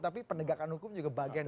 tapi penegakan hukum juga bagian dari itu